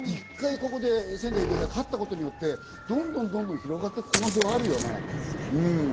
一回、仙台育英が勝ったことによって、どんどん広がっていく可能性はあるよね。